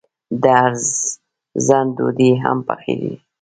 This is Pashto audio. د ارزن ډوډۍ هم پخیږي.